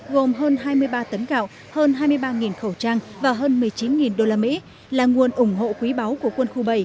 gồm hơn hai mươi ba tấn gạo hơn hai mươi ba khẩu trang và hơn một mươi chín usd là nguồn ủng hộ quý báu của quân khu bảy